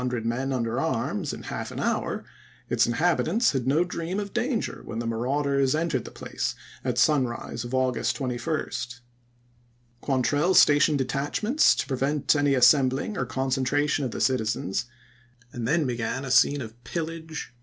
hundred men under arms in half an horn', its inhab itants had no dream of danger when the marauders entered the place at sunrise of August 21. Quan am.' trell stationed detachments to prevent any assem bhng or concentration of the citizens, and then 212 ABRAHAM LINCOLN 8<^hofleld, Report, Sept.